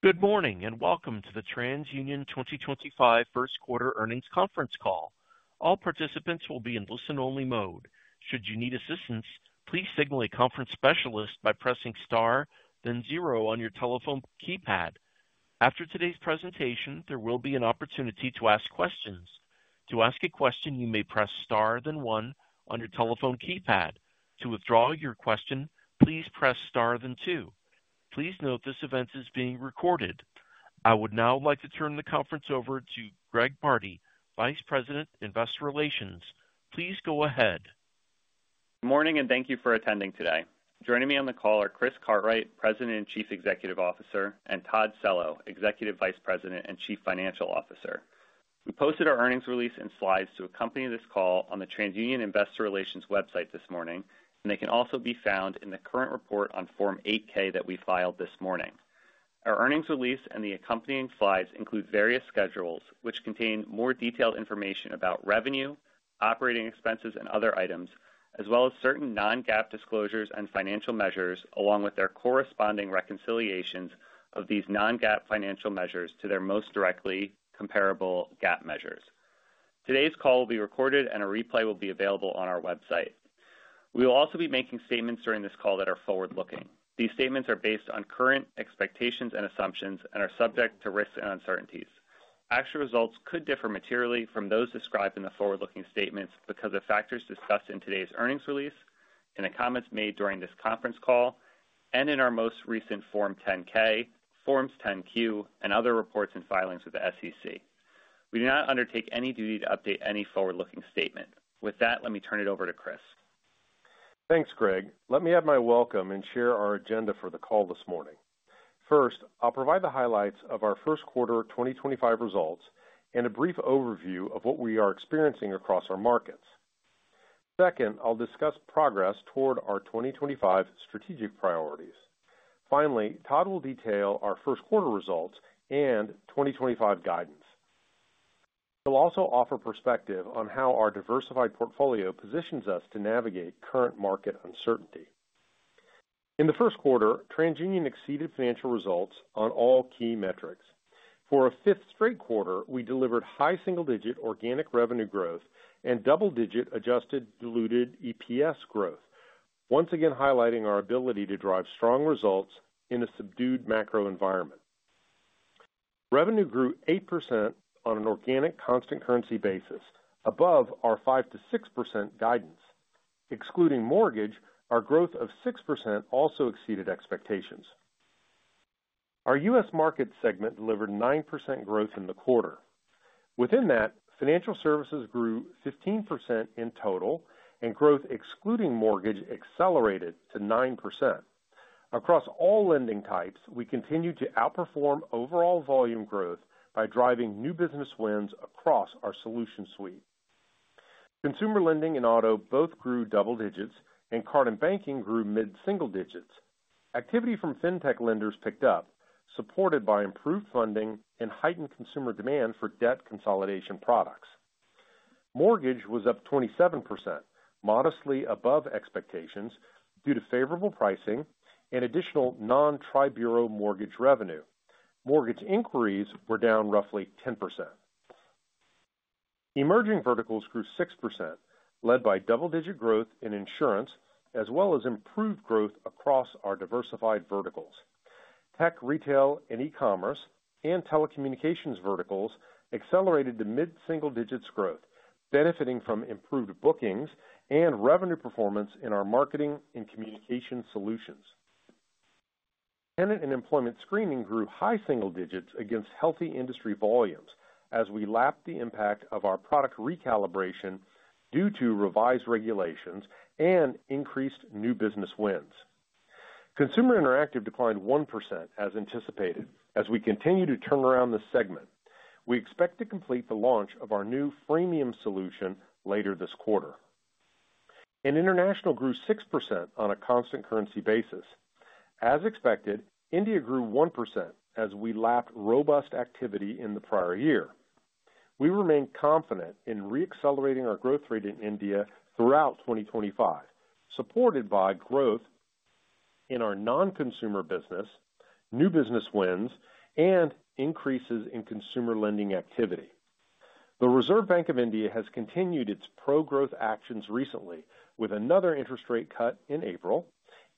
Good morning and welcome to the TransUnion 2025 First Quarter Earnings Conference Call. All participants will be in listen-only mode. Should you need assistance, please signal a conference specialist by pressing Star, then Zero on your telephone keypad. After today's presentation, there will be an opportunity to ask questions. To ask a question, you may press Star, then One on your telephone keypad. To withdraw your question, please press Star, then Two. Please note this event is being recorded. I would now like to turn the conference over to Greg Bardi, Vice President, Investor Relations. Please go ahead. Good morning and thank you for attending today. Joining me on the call are Chris Cartwright, President and Chief Executive Officer, and Todd Cello, Executive Vice President and Chief Financial Officer. We posted our earnings release and slides to accompany this call on the TransUnion Investor Relations website this morning, and they can also be found in the current report on Form 8-K that we filed this morning. Our earnings release and the accompanying slides include various schedules which contain more detailed information about revenue, operating expenses, and other items, as well as certain non-GAAP disclosures and financial measures, along with their corresponding reconciliations of these non-GAAP financial measures to their most directly comparable GAAP measures. Today's call will be recorded, and a replay will be available on our website. We will also be making statements during this call that are forward-looking. These statements are based on current expectations and assumptions and are subject to risks and uncertainties. Actual results could differ materially from those described in the forward-looking statements because of factors discussed in today's earnings release, in the comments made during this conference call, and in our most recent Form 10-K, Forms 10-Q, and other reports and filings with the SEC. We do not undertake any duty to update any forward-looking statement. With that, let me turn it over to Chris. Thanks, Greg. Let me add my welcome and share our agenda for the call this morning. First, I'll provide the highlights of our first quarter 2025 results and a brief overview of what we are experiencing across our markets. Second, I'll discuss progress toward our 2025 strategic priorities. Finally, Todd will detail our first quarter results and 2025 guidance. He'll also offer perspective on how our diversified portfolio positions us to navigate current market uncertainty. In the first quarter, TransUnion exceeded financial results on all key metrics. For a fifth straight quarter, we delivered high single-digit organic revenue growth and double-digit adjusted diluted EPS growth, once again highlighting our ability to drive strong results in a subdued macro environment. Revenue grew 8% on an organic constant currency basis, above our 5-6% guidance. Excluding mortgage, our growth of 6% also exceeded expectations. Our U.S. Markets segment delivered 9% growth in the quarter. Within that, Financial Services grew 15% in total, and growth excluding mortgage accelerated to 9%. Across all lending types, we continue to outperform overall volume growth by driving new business wins across our solution suite. Consumer Lending and Auto both grew double digits, and Card and Banking grew mid-single digits. Activity from fintech lenders picked up, supported by improved funding and heightened consumer demand for debt consolidation products. Mortgage was up 27%, modestly above expectations due to favorable pricing and additional non-tri-bureau mortgage revenue. Mortgage inquiries were down roughly Emerging Verticals grew 6%, led by double-digit growth in Insurance, as well as improved growth across our diversified verticals. Tech, Retail, and E-commerce, and Telecommunications verticals accelerated to mid-single digits growth, benefiting from improved bookings and revenue performance in our marketing and communication solutions. Tenant and Employment screening grew high single digits against healthy industry volumes as we lapped the impact of our product recalibration due to revised regulations and increased new business wins. Consumer interactive declined 1% as anticipated. As we continue to turn around this segment, we expect to complete the launch of our new freemium solution later this quarter. International grew 6% on a constant currency basis. As expected, India grew 1% as we lapped robust activity in the prior year. We remain confident in re-accelerating our growth rate in India throughout 2025, supported by growth in our non-consumer business, new business wins, and increases in consumer lending activity. The Reserve Bank of India has continued its pro-growth actions recently with another interest rate cut in April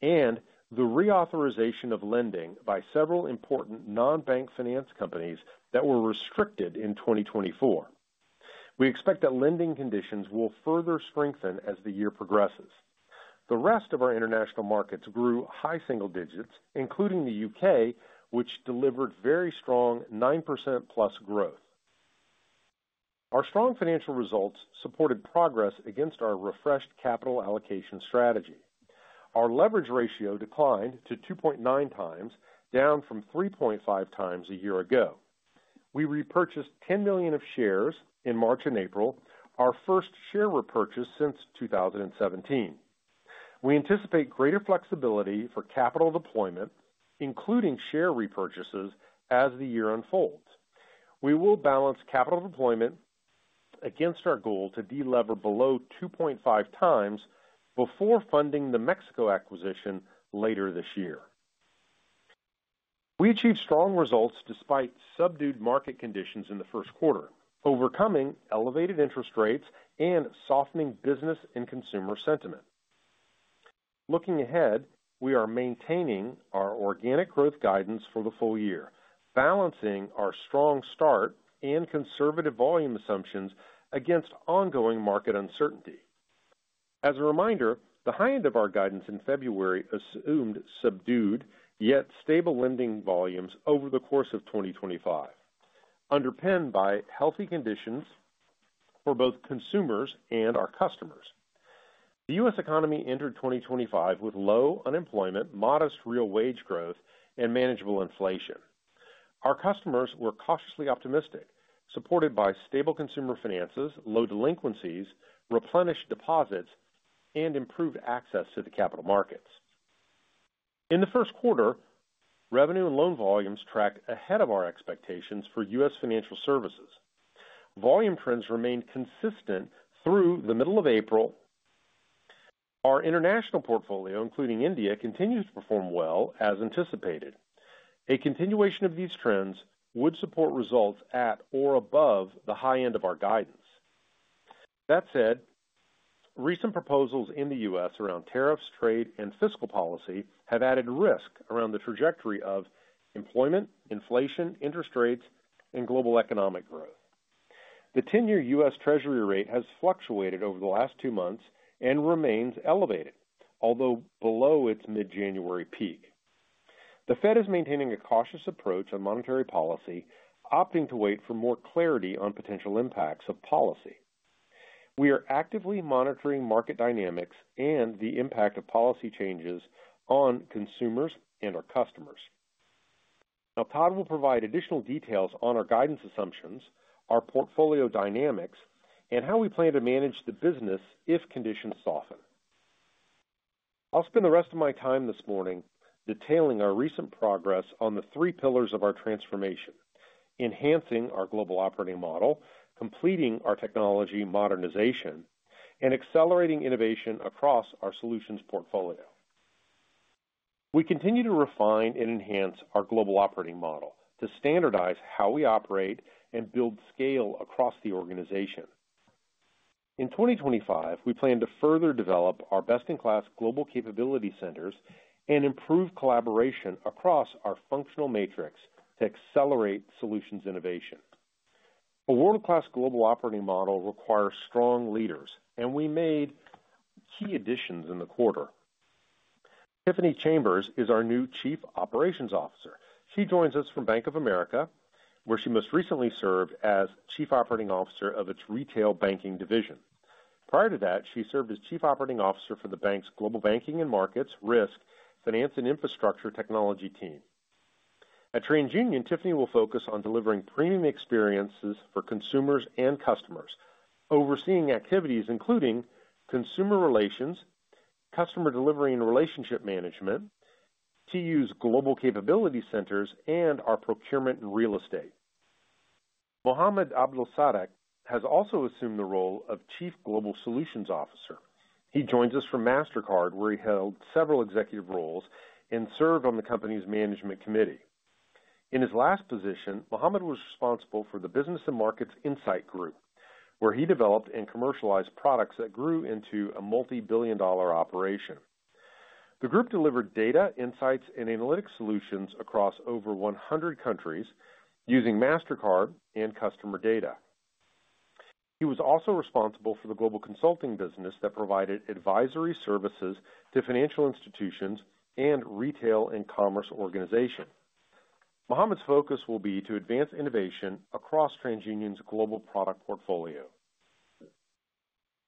and the reauthorization of lending by several important non-bank finance companies that were restricted in 2024. We expect that lending conditions will further strengthen as the year progresses. The rest of our international markets grew high single digits, including the U.K., which delivered very strong 9% plus growth. Our strong financial results supported progress against our refreshed capital allocation strategy. Our leverage ratio declined to 2.9 times, down from 3.5 times a year ago. We repurchased $10 million of shares in March and April, our first share repurchase since 2017. We anticipate greater flexibility for capital deployment, including share repurchases, as the year unfolds. We will balance capital deployment against our goal to delever below 2.5 times before funding the Mexico acquisition later this year. We achieved strong results despite subdued market conditions in the first quarter, overcoming elevated interest rates and softening business and consumer sentiment. Looking ahead, we are maintaining our organic growth guidance for the full year, balancing our strong start and conservative volume assumptions against ongoing market uncertainty. As a reminder, the high end of our guidance in February assumed subdued yet stable lending volumes over the course of 2025, underpinned by healthy conditions for both consumers and our customers. The U.S. economy entered 2025 with low unemployment, modest real wage growth, and manageable inflation. Our customers were cautiously optimistic, supported by stable consumer finances, low delinquencies, replenished deposits, and improved access to the capital markets. In the first quarter, revenue and loan volumes tracked ahead of our expectations for U.S. Financial Services. Volume trends remained consistent through the middle of April. Our international portfolio, including India, continues to perform well as anticipated. A continuation of these trends would support results at or above the high end of our guidance. That said, recent proposals in the U.S. around tariffs, trade, and fiscal policy have added risk around the trajectory of employment, inflation, interest rates, and global economic growth. The 10-year U.S. Treasury rate has fluctuated over the last two months and remains elevated, although below its mid-January peak. The Fed is maintaining a cautious approach on monetary policy, opting to wait for more clarity on potential impacts of policy. We are actively monitoring market dynamics and the impact of policy changes on consumers and our customers. Now, Todd will provide additional details on our guidance assumptions, our portfolio dynamics, and how we plan to manage the business if conditions soften. I'll spend the rest of my time this morning detailing our recent progress on the three pillars of our transformation: enhancing our global operating model, completing our technology modernization, and accelerating innovation across our solutions portfolio. We continue to refine and enhance our global operating model to standardize how we operate and build scale across the organization. In 2025, we plan to further develop our best-in-class global capability centers and improve collaboration across our functional matrix to accelerate solutions innovation. A world-class global operating model requires strong leaders, and we made key additions in the quarter. Tiffani Chambers is our new Chief Operations Officer. She joins us from Bank of America, where she most recently served as Chief Operating Officer of its retail banking division. Prior to that, she served as Chief Operating Officer for the bank's Global Banking and Markets, Risk, Finance, and Infrastructure Technology team. At TransUnion, Tiffany will focus on delivering premium experiences for consumers and customers, overseeing activities including consumer relations, customer delivery and relationship management, TU's global capability centers, and our procurement and real estate. Mohamed Abdelsadek has also assumed the role of Chief Global Solutions Officer. He joins us from Mastercard, where he held several executive roles and served on the company's management committee. In his last position, Mohamed was responsible for the Business and Markets Insight Group, where he developed and commercialized products that grew into a multi-billion dollar operation. The group delivered data, insights, and analytic solutions across over 100 countries using Mastercard and customer data. He was also responsible for the global consulting business that provided advisory services to financial institutions and retail and commerce organizations. Mohamed's focus will be to advance innovation across TransUnion's global product portfolio.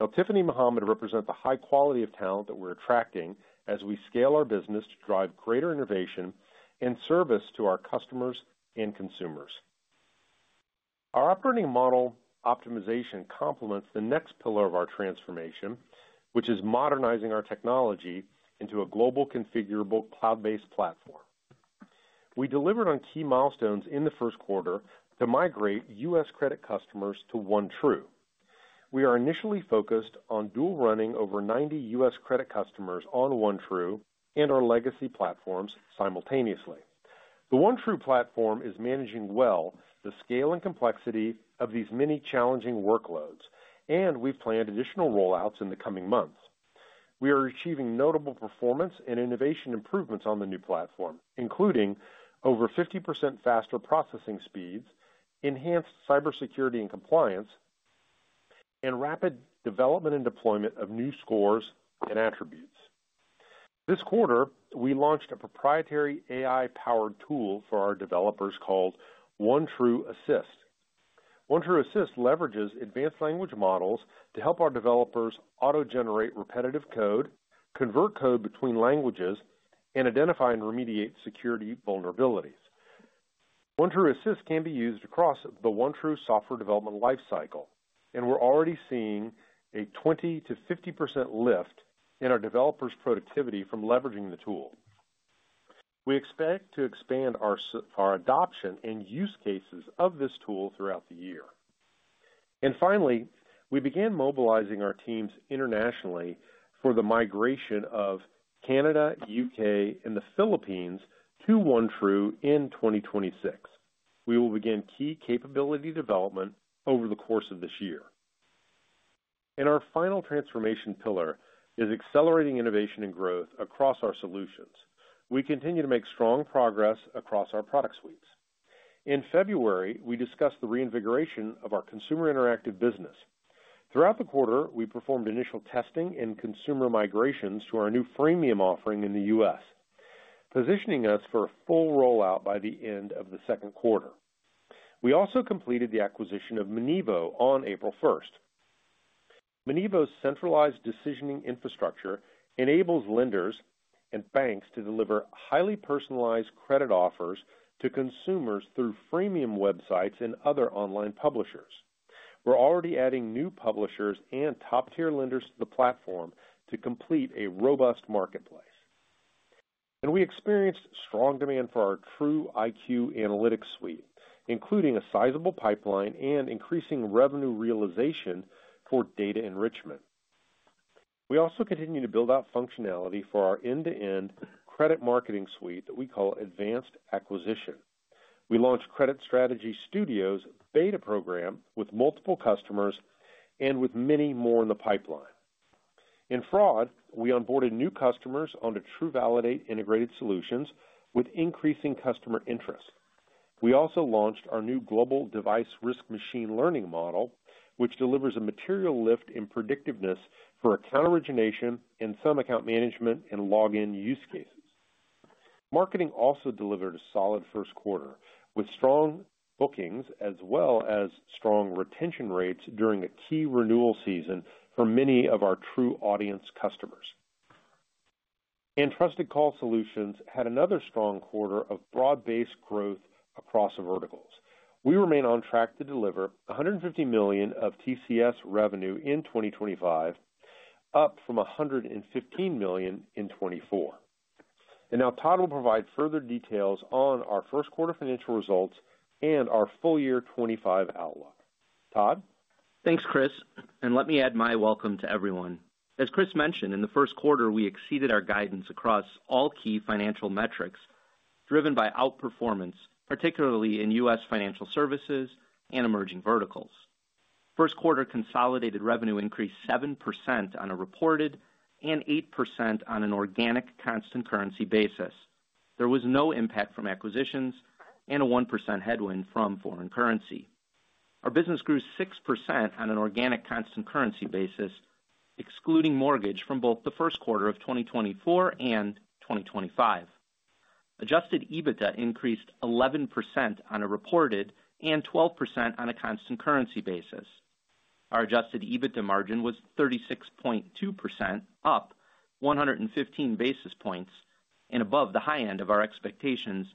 Now, Tiffany and Mohamed represent the high quality of talent that we're attracting as we scale our business to drive greater innovation and service to our customers and consumers. Our operating model optimization complements the next pillar of our transformation, which is modernizing our technology into a global configurable cloud-based platform. We delivered on key milestones in the first quarter to migrate U.S. credit customers to OneTru. We are initially focused on dual running over 90 U.S. credit customers on OneTru and our legacy platforms simultaneously. The OneTru platform is managing well the scale and complexity of these many challenging workloads, and we've planned additional rollouts in the coming months. We are achieving notable performance and innovation improvements on the new platform, including over 50% faster processing speeds, enhanced cybersecurity and compliance, and rapid development and deployment of new scores and attributes. This quarter, we launched a proprietary AI-powered tool for our developers called OneTru Assist. OneTru Assist leverages advanced language models to help our developers auto-generate repetitive code, convert code between languages, and identify and remediate security vulnerabilities. OneTru Assist can be used across the OneTru software development lifecycle, and we're already seeing a 20-50% lift in our developers' productivity from leveraging the tool. We expect to expand our adoption and use cases of this tool throughout the year. Finally, we began mobilizing our teams internationally for the migration of Canada, U.K., and the Philippines to OneTru in 2026. We will begin key capability development over the course of this year. Our final transformation pillar is accelerating innovation and growth across our solutions. We continue to make strong progress across our product suites. In February, we discussed the reinvigoration of our consumer interactive business. Throughout the quarter, we performed initial testing and consumer migrations to our new freemium offering in the U.S., positioning us for a full rollout by the end of the second quarter. We also completed the acquisition of Monevo on April 1. Monevo's centralized decisioning infrastructure enables lenders and banks to deliver highly personalized credit offers to consumers through freemium websites and other online publishers. We're already adding new publishers and top-tier lenders to the platform to complete a robust marketplace. We experienced strong demand for our TruIQ analytics suite, including a sizable pipeline and increasing revenue realization for data enrichment. We also continue to build out functionality for our end-to-end credit marketing suite that we call Advanced Acquisition. We launched Credit Strategy Studios beta program with multiple customers and with many more in the pipeline. In fraud, we onboarded new customers onto TruValidate Integrated Solutions with increasing customer interest. We also launched our new Global Device Risk Model, which delivers a material lift in predictiveness for account origination and some account management and login use cases. Marketing also delivered a solid first quarter with strong bookings as well as strong retention rates during a key renewal season for many of our TruAudience customers. Trusted Call Solutions had another strong quarter of broad-based growth across verticals. We remain on track to deliver $150 million of TCS revenue in 2025, up from $115 million in 2024. Now Todd will provide further details on our first quarter financial results and our full year 2025 outlook. Todd. Thanks, Chris. Let me add my welcome to everyone. As Chris mentioned, in the first quarter, we exceeded our guidance across all key financial metrics driven by outperformance, particularly in U.S. Financial Services Emerging Verticals. first quarter consolidated revenue increased 7% on a reported and 8% on an organic constant currency basis. There was no impact from acquisitions and a 1% headwind from foreign currency. Our business grew 6% on an organic constant currency basis, excluding mortgage from both the first quarter of 2024 and 2025. Adjusted EBITDA increased 11% on a reported and 12% on a constant currency basis. Our adjusted EBITDA margin was 36.2%, up 115 basis points and above the high end of our expectations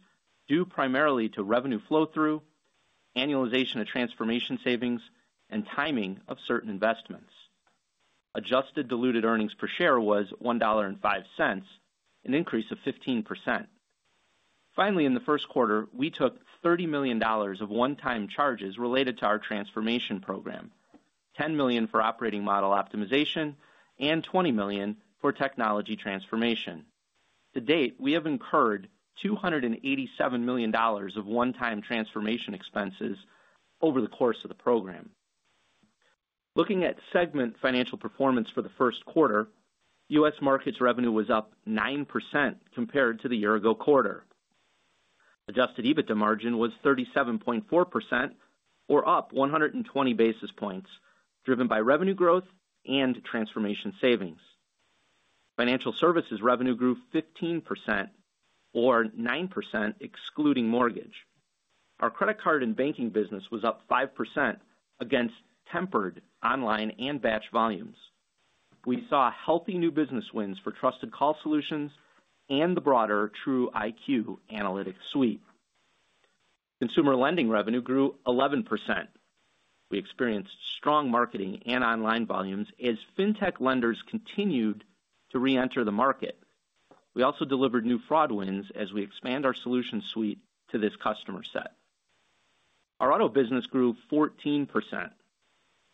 due primarily to revenue flow-through, annualization of transformation savings, and timing of certain investments. Adjusted diluted earnings per share was $1.05, an increase of 15%. Finally, in the first quarter, we took $30 million of one-time charges related to our transformation program, $10 million for operating model optimization, and $20 million for technology transformation. To date, we have incurred $287 million of one-time transformation expenses over the course of the program. Looking at segment financial performance for the first quarter, U.S. Markets revenue was up 9% compared to the year-ago quarter. Adjusted EBITDA margin was 37.4%, or up 120 basis points, driven by revenue growth and transformation savings. Financial Services revenue grew 15%, or 9% excluding mortgage. Our credit Card and Banking business was up 5% against tempered online and batch volumes. We saw healthy new business wins for Trusted Call Solutions and the broader TruIQ analytics suite. Consumer Lending revenue grew 11%. We experienced strong marketing and online volumes as fintech lenders continued to re-enter the market. We also delivered new fraud wins as we expand our solution suite to this customer set. Our auto business grew 14%.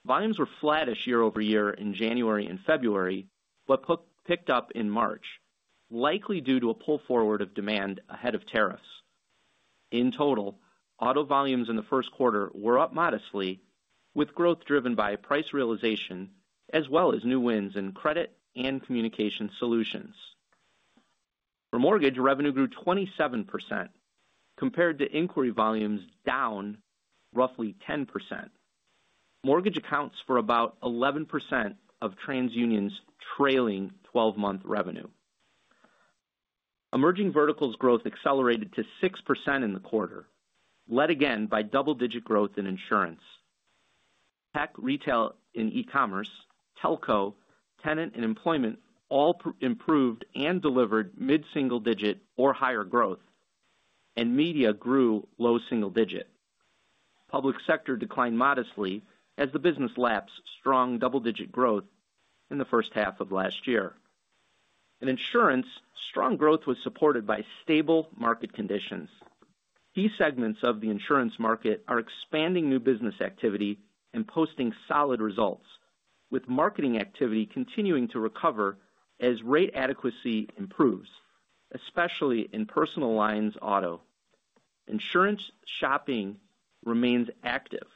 Volumes were flat year-over-year in January and February, but picked up in March, likely due to a pull forward of demand ahead of tariffs. In total, auto volumes in the first quarter were up modestly, with growth driven by price realization as well as new wins in credit and communication solutions. For mortgage, revenue grew 27% compared to inquiry volumes down roughly 10%. Mortgage accounts for about 11% of TransUnion's trailing 12-month Emerging Verticals growth accelerated to 6% in the quarter, led again by double-digit growth in insurance. Tech, retail and e-commerce, telco, Tenant and Employment all improved and delivered mid-single-digit or higher growth, and media grew low single-digit. Public Sector declined modestly as the business lapsed strong double-digit growth in the first half of last year. In insurance, strong growth was supported by stable market conditions. Key segments of the insurance market are expanding new business activity and posting solid results, with marketing activity continuing to recover as rate adequacy improves, especially in personal lines auto. Insurance shopping remains active.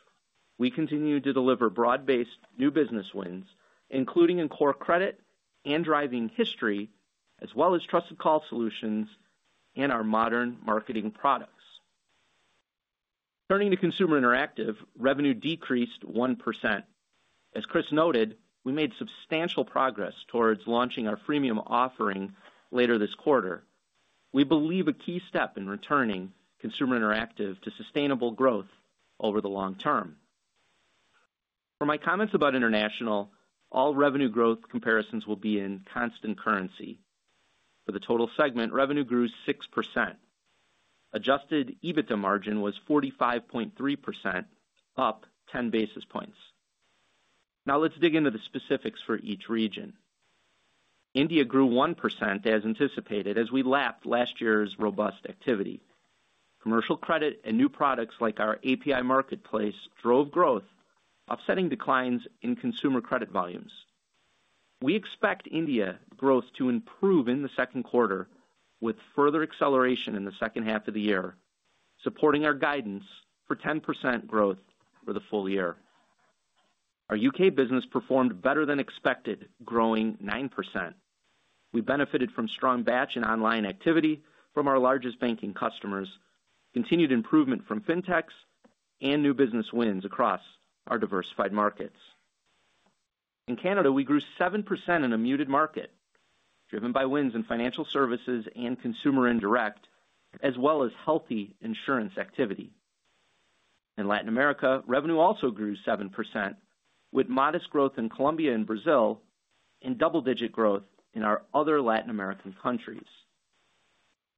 We continue to deliver broad-based new business wins, including in core credit and driving history, as well as Trusted Call Solutions and our modern marketing products. Turning to Consumer Interactive, revenue decreased 1%. As Chris noted, we made substantial progress towards launching our freemium offering later this quarter. We believe a key step in returning Consumer Interactive to sustainable growth over the long term. For my comments about international, all revenue growth comparisons will be in constant currency. For the total segment, revenue grew 6%. Adjusted EBITDA margin was 45.3%, up 10 basis points. Now let's dig into the specifics for each region. India grew 1% as anticipated as we lapped last year's robust activity. Commercial credit and new products like our API Marketplace drove growth, offsetting declines in consumer credit volumes. We expect India growth to improve in the second quarter with further acceleration in the second half of the year, supporting our guidance for 10% growth for the full year. Our U.K. business performed better than expected, growing 9%. We benefited from strong batch and online activity from our largest banking customers, continued improvement from fintechs, and new business wins across our diversified markets. In Canada, we grew 7% in a muted market, driven by wins in Financial Services and Consumer Interact, as well as healthy insurance activity. In Latin America, revenue also grew 7%, with modest growth in Colombia and Brazil, and double-digit growth in our other Latin American countries.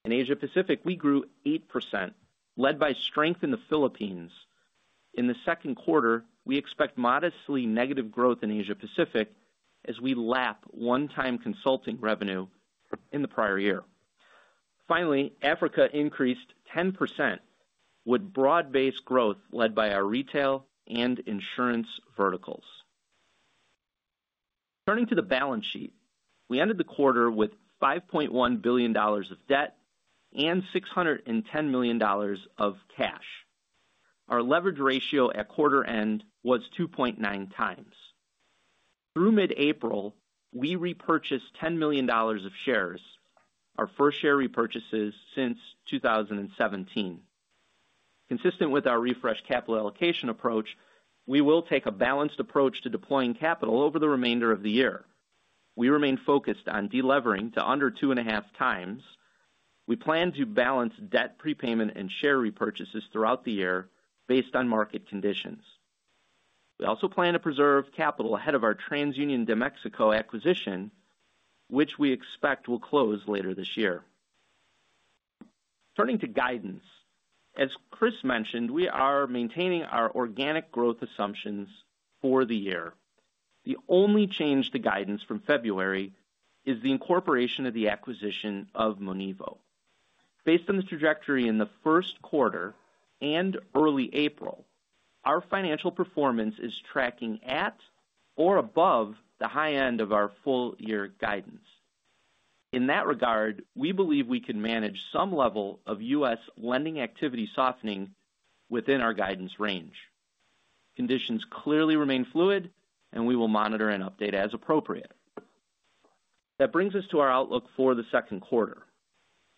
In Asia-Pacific, we grew 8%, led by strength in the Philippines. In the second quarter, we expect modestly negative growth in Asia-Pacific as we lap one-time consulting revenue in the prior year. Finally, Africa increased 10% with broad-based growth led by our retail and insurance verticals. Turning to the balance sheet, we ended the quarter with $5.1 billion of debt and $610 million of cash. Our leverage ratio at quarter end was 2.9 times. Through mid-April, we repurchased $10 million of shares, our first share repurchases since 2017. Consistent with our refreshed capital allocation approach, we will take a balanced approach to deploying capital over the remainder of the year. We remain focused on delevering to under two and a half times. We plan to balance debt prepayment and share repurchases throughout the year based on market conditions. We also plan to preserve capital ahead of our TransUnion de México acquisition, which we expect will close later this year. Turning to guidance, as Chris mentioned, we are maintaining our organic growth assumptions for the year. The only change to guidance from February is the incorporation of the acquisition of Monevo. Based on the trajectory in the first quarter and early April, our financial performance is tracking at or above the high end of our full year guidance. In that regard, we believe we can manage some level of U.S. lending activity softening within our guidance range. Conditions clearly remain fluid, and we will monitor and update as appropriate. That brings us to our outlook for the second quarter.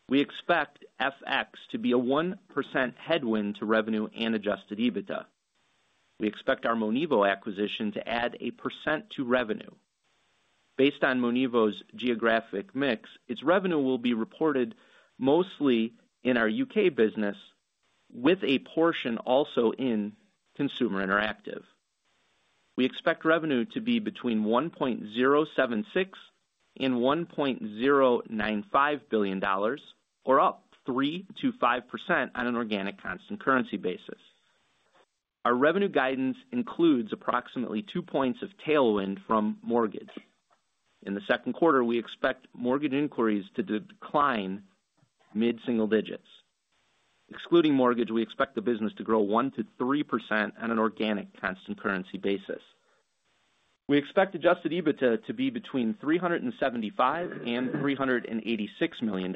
We expect FX to be a 1% headwind to revenue and adjusted EBITDA. We expect our Monevo acquisition to add a percent to revenue. Based on Monevo's geographic mix, its revenue will be reported mostly in our U.K. business, with a portion also in Consumer Interactive. We expect revenue to be between $1.076 billion and $1.095 billion, or up 3%-5% on an organic constant currency basis. Our revenue guidance includes approximately two points of tailwind from mortgage. In the second quarter, we expect mortgage inquiries to decline mid-single digits. Excluding mortgage, we expect the business to grow 1%-3% on an organic constant currency basis. We expect adjusted EBITDA to be between $375 million-$386 million,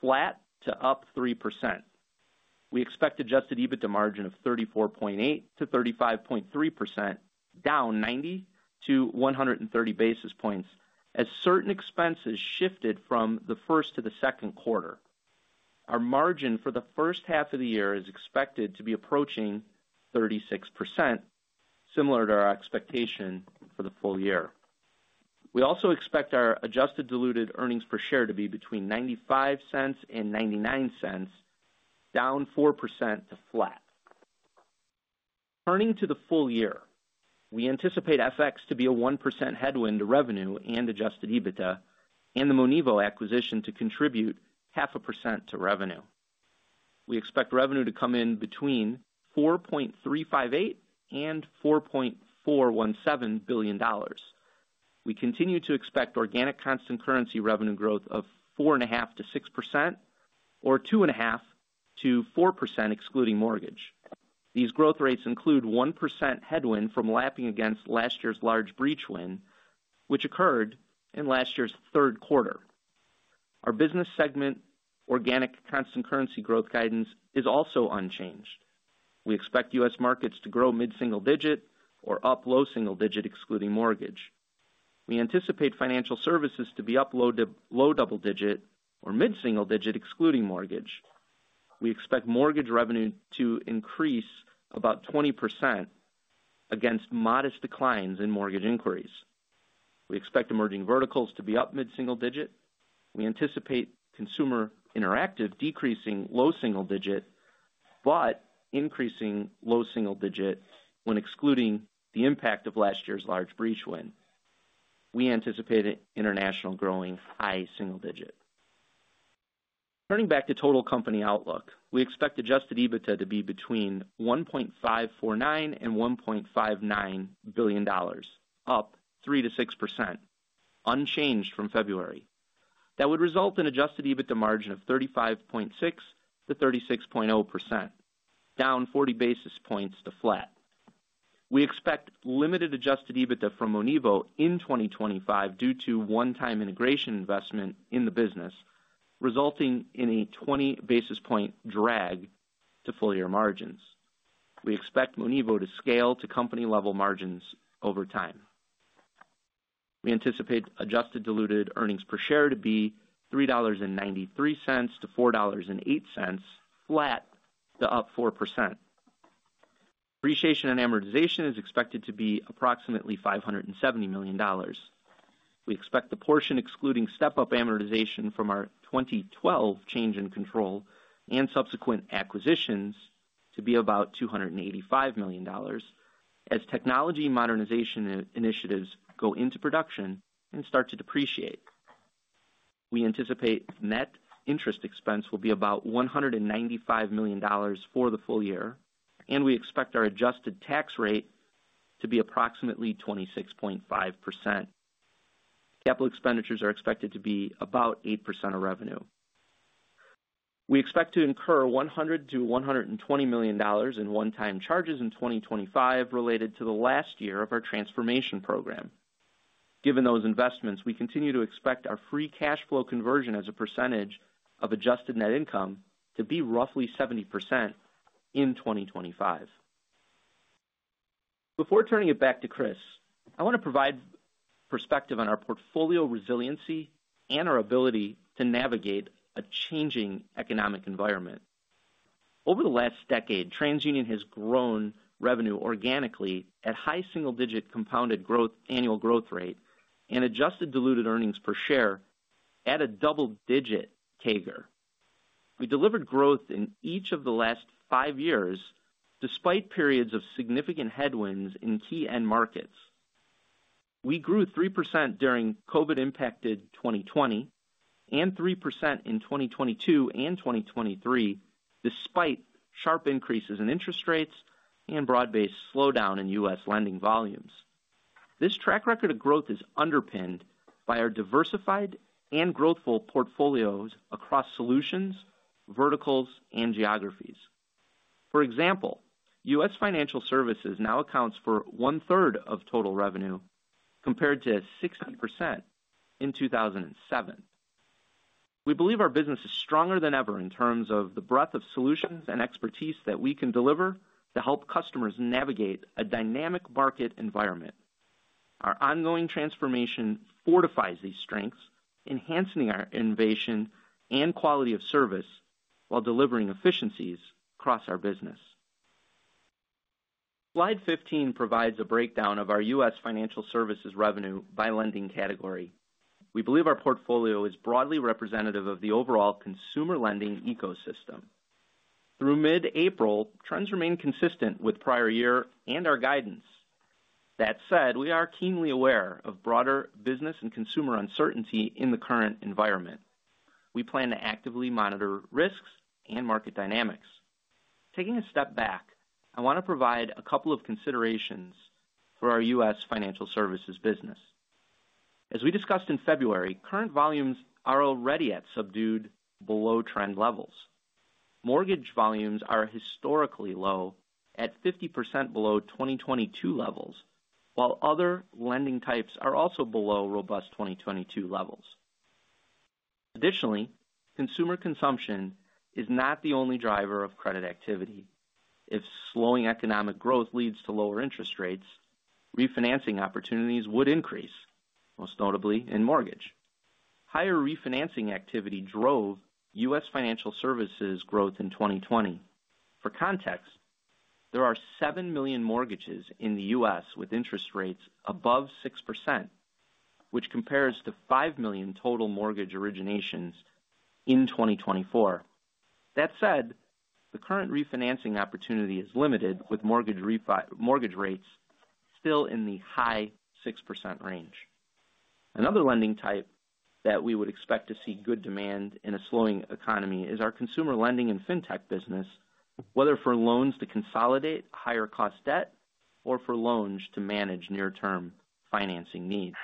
flat to up 3%. We expect adjusted EBITDA margin of 34.8%-35.3%, down 90-130 basis points as certain expenses shifted from the first to the second quarter. Our margin for the first half of the year is expected to be approaching 36%, similar to our expectation for the full year. We also expect our adjusted diluted earnings per share to be between $0.95-$0.99, down 4% to flat. Turning to the full year, we anticipate FX to be a 1% headwind to revenue and adjusted EBITDA, and the Monevo acquisition to contribute 0.5% to revenue. We expect revenue to come in between $4.358 billion and $4.417 billion. We continue to expect organic constant currency revenue growth of 4.5%-6%, or 2.5%-4% excluding mortgage. These growth rates include a 1% headwind from lapping against last year's large breach win, which occurred in last year's third quarter. Our business segment organic constant currency growth guidance is also unchanged. We expect U.S. Markets to grow mid-single digit or up low single digit excluding mortgage. We anticipate Financial Services to be up low double digit or mid-single digit excluding mortgage. We expect mortgage revenue to increase about 20% against modest declines in mortgage inquiries. We Emerging Verticals to be up mid-single digit. We anticipate Consumer Interactive decreasing low single digit, but increasing low single digit when excluding the impact of last year's large breach win. We anticipate international growing high single digit. Turning back to total company outlook, we expect adjusted EBITDA to be between $1.549 billion and $1.59 billion, up 3% to 6%, unchanged from February. That would result in adjusted EBITDA margin of 35.6% to 36.0%, down 40 basis points to flat. We expect limited adjusted EBITDA from Monevo in 2025 due to one-time integration investment in the business, resulting in a 20 basis point drag to full year margins. We expect Monevo to scale to company-level margins over time. We anticipate adjusted diluted earnings per share to be $3.93 to $4.08, flat to up 4%. Depreciation and amortization is expected to be approximately $570 million. We expect the portion excluding step-up amortization from our 2012 change in control and subsequent acquisitions to be about $285 million as technology modernization initiatives go into production and start to depreciate. We anticipate net interest expense will be about $195 million for the full year, and we expect our adjusted tax rate to be approximately 26.5%. Capital expenditures are expected to be about 8% of revenue. We expect to incur $100-$120 million in one-time charges in 2025 related to the last year of our transformation program. Given those investments, we continue to expect our free cash flow conversion as a percentage of adjusted net income to be roughly 70% in 2025. Before turning it back to Chris, I want to provide perspective on our portfolio resiliency and our ability to navigate a changing economic environment. Over the last decade, TransUnion has grown revenue organically at high single-digit compounded growth annual growth rate and adjusted diluted earnings per share at a double-digit CAGR. We delivered growth in each of the last five years despite periods of significant headwinds in key end markets. We grew 3% during COVID-impacted 2020 and 3% in 2022 and 2023 despite sharp increases in interest rates and broad-based slowdown in U.S. lending volumes. This track record of growth is underpinned by our diversified and growthful portfolios across solutions, verticals, and geographies. For example, U.S. Financial Services now accounts for one-third of total revenue compared to 60% in 2007. We believe our business is stronger than ever in terms of the breadth of solutions and expertise that we can deliver to help customers navigate a dynamic market environment. Our ongoing transformation fortifies these strengths, enhancing our innovation and quality of service while delivering efficiencies across our business. Slide 15 provides a breakdown of our U.S. Financial Services revenue by lending category. We believe our portfolio is broadly representative of the overall consumer lending ecosystem. Through mid-April, trends remain consistent with prior year and our guidance. That said, we are keenly aware of broader business and consumer uncertainty in the current environment. We plan to actively monitor risks and market dynamics. Taking a step back, I want to provide a couple of considerations for our U.S. Financial Services business. As we discussed in February, current volumes are already at subdued below-trend levels. Mortgage volumes are historically low at 50% below 2022 levels, while other lending types are also below robust 2022 levels. Additionally, consumer consumption is not the only driver of credit activity. If slowing economic growth leads to lower interest rates, refinancing opportunities would increase, most notably in mortgage. Higher refinancing activity drove U.S. Financial Services growth in 2020. For context, there are 7 million mortgages in the U.S. with interest rates above 6%, which compares to 5 million total mortgage originations in 2024. That said, the current refinancing opportunity is limited, with mortgage rates still in the high 6% range. Another lending type that we would expect to see good demand in a slowing economy is our consumer lending and fintech business, whether for loans to consolidate higher-cost debt or for loans to manage near-term financing needs.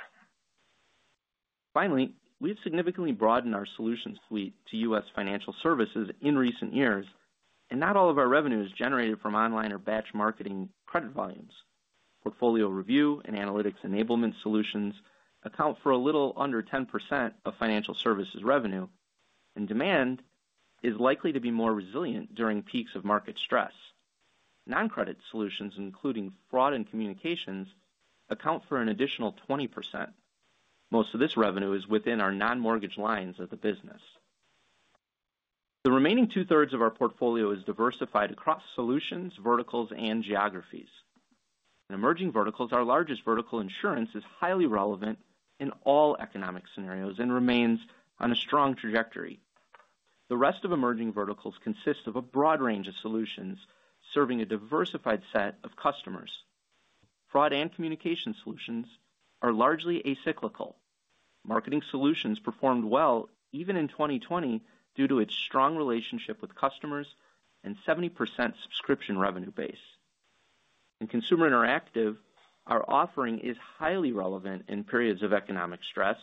Finally, we've significantly broadened our solution suite to U.S. Financial Services in recent years, and not all of our revenue is generated from online or batch marketing credit volumes. Portfolio review and analytics enablement solutions account for a little under 10% of Financial Services revenue, and demand is likely to be more resilient during peaks of market stress. Non-credit solutions, including fraud and communications, account for an additional 20%. Most of this revenue is within our non-mortgage lines of the business. The remaining two-thirds of our portfolio is diversified across solutions, verticals, and geographies. Emerging Verticals, our largest vertical, insurance, is highly relevant in all economic scenarios and remains on a strong trajectory. The rest Emerging Verticals consist of a broad range of solutions serving a diversified set of customers. Fraud and communication solutions are largely acyclical. Marketing solutions performed well even in 2020 due to its strong relationship with customers and 70% subscription revenue base. In Consumer Interactive, our offering is highly relevant in periods of economic stress,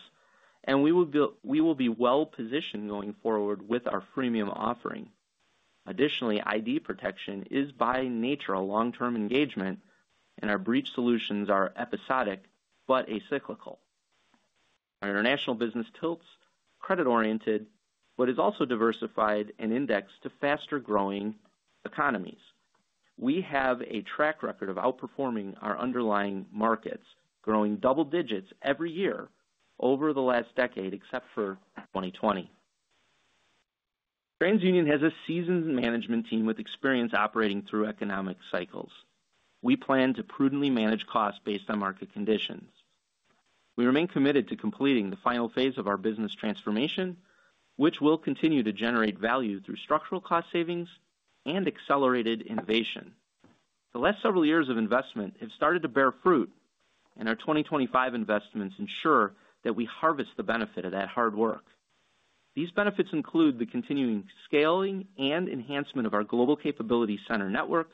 and we will be well-positioned going forward with our freemium offering. Additionally, ID protection is by nature a long-term engagement, and our breach solutions are episodic but acyclical. Our international business tilts credit-oriented but is also diversified and indexed to faster-growing economies. We have a track record of outperforming our underlying markets, growing double digits every year over the last decade, except for 2020. TransUnion has a seasoned management team with experience operating through economic cycles. We plan to prudently manage costs based on market conditions. We remain committed to completing the final phase of our business transformation, which will continue to generate value through structural cost savings and accelerated innovation. The last several years of investment have started to bear fruit, and our 2025 investments ensure that we harvest the benefit of that hard work. These benefits include the continuing scaling and enhancement of our Global Capability Center network,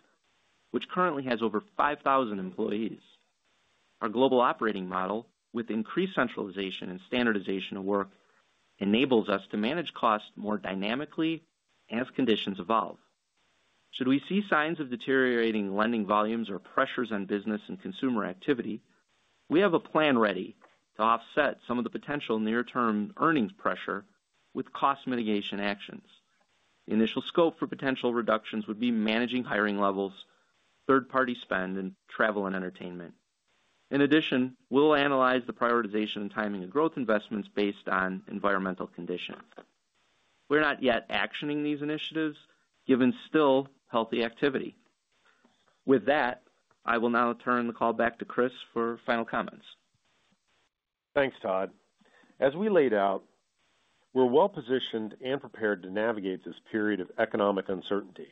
which currently has over 5,000 employees. Our global operating model, with increased centralization and standardization of work, enables us to manage costs more dynamically as conditions evolve. Should we see signs of deteriorating lending volumes or pressures on business and consumer activity, we have a plan ready to offset some of the potential near-term earnings pressure with cost mitigation actions. The initial scope for potential reductions would be managing hiring levels, third-party spend, and travel and entertainment. In addition, we'll analyze the prioritization and timing of growth investments based on environmental conditions. We're not yet actioning these initiatives given still healthy activity. With that, I will now turn the call back to Chris for final comments. Thanks, Todd. As we laid out, we're well-positioned and prepared to navigate this period of economic uncertainty.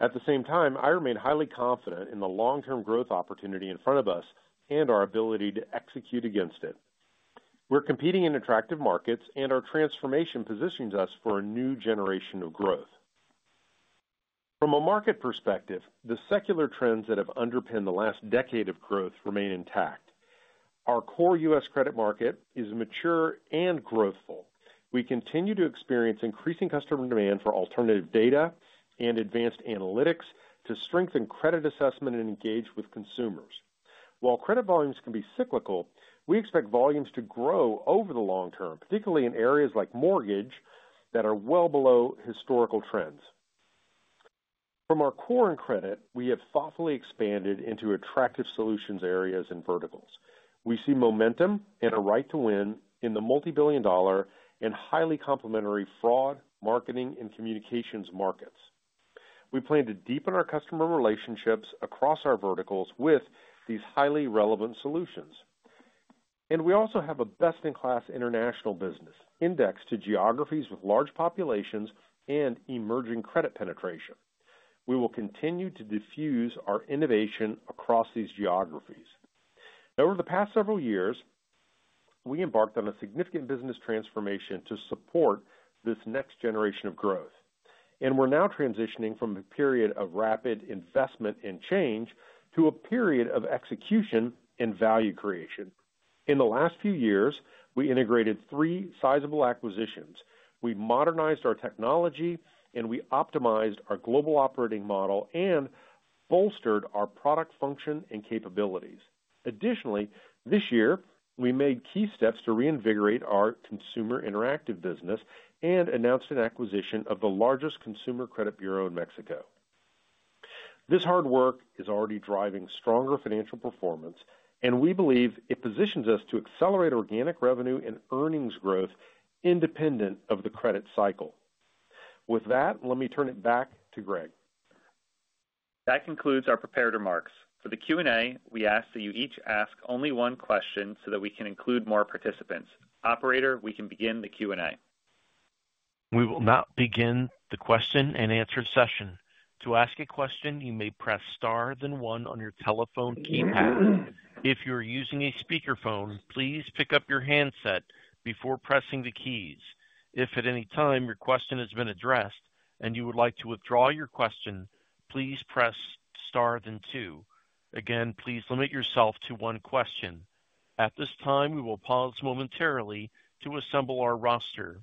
At the same time, I remain highly confident in the long-term growth opportunity in front of us and our ability to execute against it. We're competing in attractive markets, and our transformation positions us for a new generation of growth. From a market perspective, the secular trends that have underpinned the last decade of growth remain intact. Our core U.S. credit market is mature and growthful. We continue to experience increasing customer demand for alternative data and advanced analytics to strengthen credit assessment and engage with consumers. While credit volumes can be cyclical, we expect volumes to grow over the long term, particularly in areas like mortgage that are well below historical trends. From our core and credit, we have thoughtfully expanded into attractive solutions areas and verticals. We see momentum and a right to win in the multi-billion dollar and highly complementary fraud, marketing, and communications markets. We plan to deepen our customer relationships across our verticals with these highly relevant solutions. We also have a best-in-class international business indexed to geographies with large populations and emerging credit penetration. We will continue to diffuse our innovation across these geographies. Over the past several years, we embarked on a significant business transformation to support this next generation of growth. We are now transitioning from a period of rapid investment and change to a period of execution and value creation. In the last few years, we integrated three sizable acquisitions. We modernized our technology, and we optimized our global operating model and bolstered our product function and capabilities. Additionally, this year, we made key steps to reinvigorate our Consumer Interactive business and announced an acquisition of the largest consumer credit bureau in Mexico. This hard work is already driving stronger financial performance, and we believe it positions us to accelerate organic revenue and earnings growth independent of the credit cycle. With that, let me turn it back to Greg. That concludes our prepared remarks. For the Q&A, we ask that you each ask only one question so that we can include more participants. Operator, we can begin the Q&A. We will now begin the question and answer session. To ask a question, you may press star then one on your telephone keypad. If you're using a speakerphone, please pick up your handset before pressing the keys. If at any time your question has been addressed and you would like to withdraw your question, please press star then two. Again, please limit yourself to one question. At this time, we will pause momentarily to assemble our roster.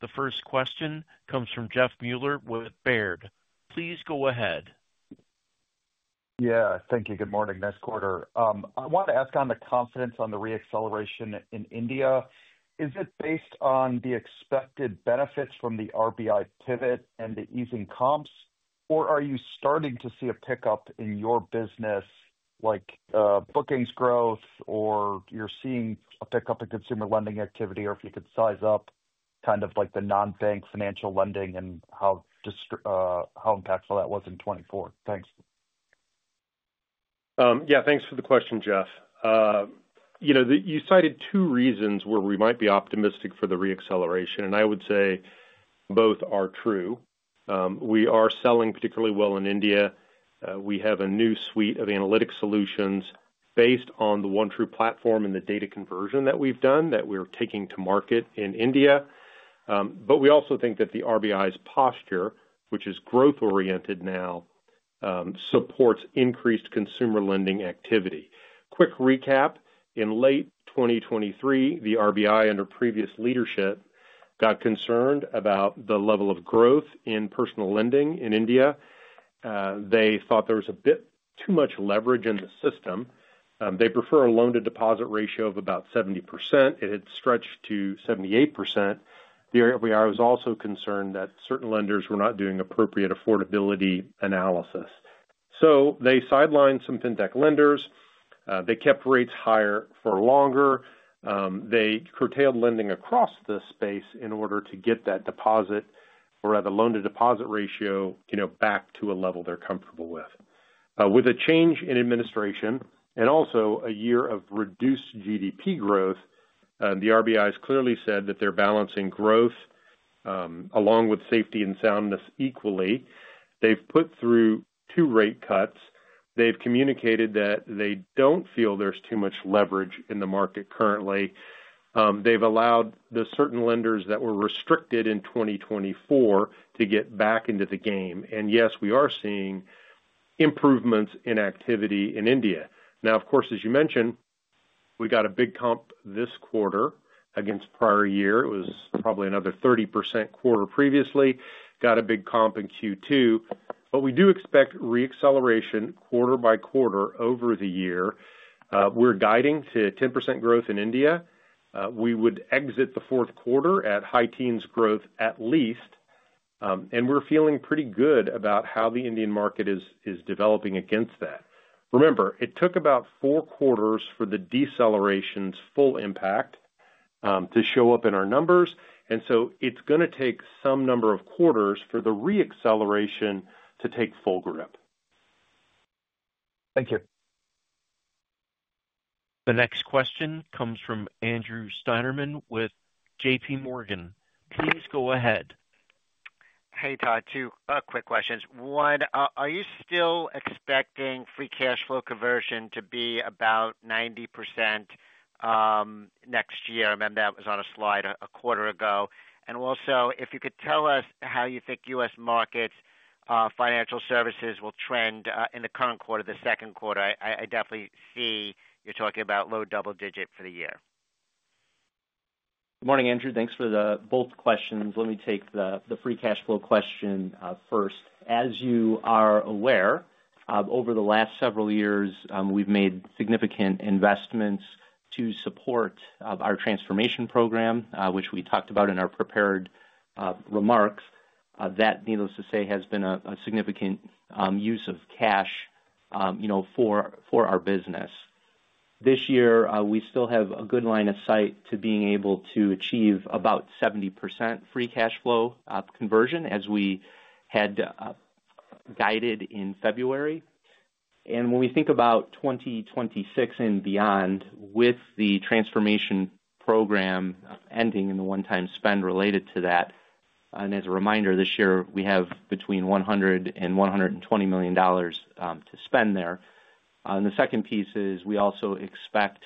The first question comes from Jeff Mueller with Baird. Please go ahead. Yeah, thank you. Good morning, next quarter. I want to ask on the confidence on the reacceleration in India. Is it based on the expected benefits from the RBI pivot and the easing comps, or are you starting to see a pickup in your business, like bookings growth, or you're seeing a pickup in consumer lending activity, or if you could size up kind of like the non-bank financial lending and how impactful that was in 2024? Thanks. Yeah, thanks for the question, Jeff. You cited two reasons where we might be optimistic for the reacceleration, and I would say both are true. We are selling particularly well in India. We have a new suite of analytic solutions based on the OneTru platform and the data conversion that we've done that we're taking to market in India. We also think that the RBI's posture, which is growth-oriented now, supports increased consumer lending activity. Quick recap: in late 2023, the RBI, under previous leadership, got concerned about the level of growth in personal lending in India. They thought there was a bit too much leverage in the system. They prefer a loan-to-deposit ratio of about 70%. It had stretched to 78%. The RBI was also concerned that certain lenders were not doing appropriate affordability analysis. They sidelined some fintech lenders. They kept rates higher for longer. They curtailed lending across the space in order to get that deposit, or rather loan-to-deposit ratio, back to a level they're comfortable with. With a change in administration and also a year of reduced GDP growth, the RBI has clearly said that they're balancing growth along with safety and soundness equally. They've put through two rate cuts. They've communicated that they don't feel there's too much leverage in the market currently. They've allowed the certain lenders that were restricted in 2024 to get back into the game. Yes, we are seeing improvements in activity in India. Now, of course, as you mentioned, we got a big comp this quarter against prior year. It was probably another 30% quarter previously. Got a big comp in Q2. We do expect reacceleration quarter by quarter over the year. We're guiding to 10% growth in India. We would exit the fourth quarter at high teens growth at least. We're feeling pretty good about how the Indian market is developing against that. Remember, it took about four quarters for the deceleration's full impact to show up in our numbers. It's going to take some number of quarters for the reacceleration to take full grip. Thank you. The next question comes from Andrew Steinerman with J.P. Morgan. Please go ahead. Hey, Todd. Two quick questions. One, are you still expecting free cash flow conversion to be about 90% next year? I remember that was on a slide a quarter ago. Also, if you could tell us how you think U.S. Markets' Financial Services will trend in the current quarter, the second quarter, I definitely see you're talking about low double digit for the year. Good morning, Andrew. Thanks for both questions. Let me take the free cash flow question first. As you are aware, over the last several years, we've made significant investments to support our transformation program, which we talked about in our prepared remarks. That, needless to say, has been a significant use of cash for our business. This year, we still have a good line of sight to being able to achieve about 70% free cash flow conversion, as we had guided in February. When we think about 2026 and beyond, with the transformation program ending and the one-time spend related to that, as a reminder, this year, we have between $100 million and $120 million to spend there. The second piece is we also expect